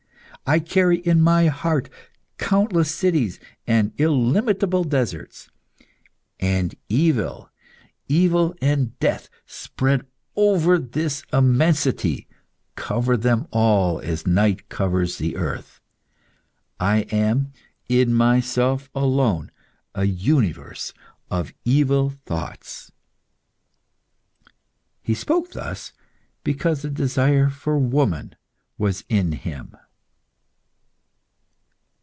I carry in my heart countless cities and illimitable deserts. And evil evil and death spread over this immensity, cover them all, as night covers the earth. I am, in myself alone, a universe of evil thoughts." He spoke thus because the desire for woman was in him.